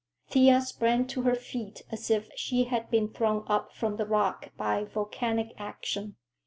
Thea sprang to her feet as if she had been thrown up from the rock by volcanic action.